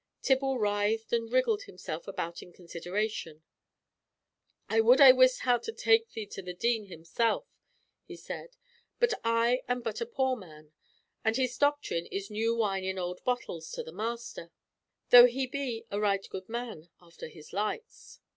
Tibble writhed and wriggled himself about in consideration. "I would I wist how to take thee to the Dean himself," he said, "but I am but a poor man, and his doctrine is 'new wine in old bottles' to the master, though he be a right good man after his lights.